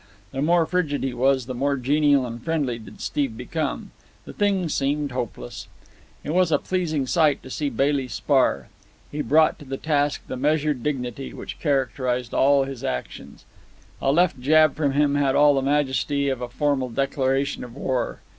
The more frigid he was, the more genial and friendly did Steve become. The thing seemed hopeless. It was a pleasing sight to see Bailey spar. He brought to the task the measured dignity which characterized all his actions. A left jab from him had all the majesty of a formal declaration of war.